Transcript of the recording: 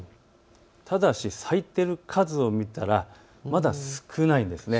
ただし咲いている数を見たらまだ少ないんです。